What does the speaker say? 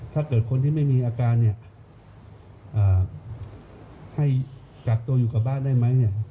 ถ้าเกิดคนที่ไม่มีอาการเนี่ยให้กักตัวอยู่กับบ้านได้ไหม